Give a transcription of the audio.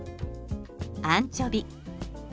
アンチョビ。